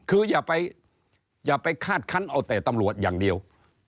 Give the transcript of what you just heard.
คืออย่าไปคาดคันเอาแต่ตำรวจอย่างเดียว